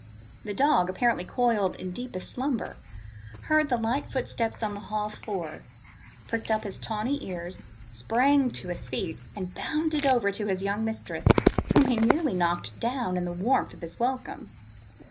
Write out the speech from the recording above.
The dog, apparently coiled in deepest slumber, heard the light footsteps on the hall floor, pricked up his tawny ears, sprang to his feet, and bounded over to his young mistress, whom he nearly knocked down in the warmth of his welcome.